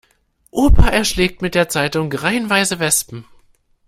Opa erschlägt mit der Zeitung reihenweise Wespen.